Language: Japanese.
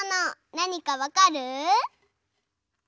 なにかわかる？